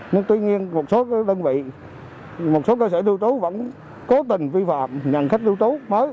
nhưng tuy nhiên một số cơ sở lưu trú vẫn cố tình vi phạm nhận khách lưu trú mới